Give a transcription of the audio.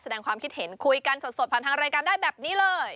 แสดงความคิดเห็นคุยกันสดผ่านทางรายการได้แบบนี้เลย